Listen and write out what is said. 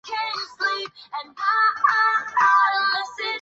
该组织关于占有躯体的描述可以解释为身体被灵魂占据。